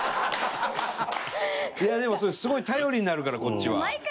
いやでもそれすごい頼りになるからこっちは。